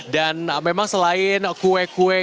dan memang selain kue kue yang